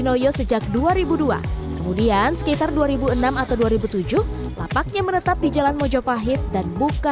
noyo sejak dua ribu dua kemudian sekitar dua ribu enam atau dua ribu tujuh lapaknya menetap di jalan mojopahit dan buka